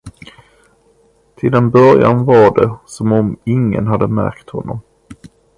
Till en början var det, som om ingen hade märkt honom.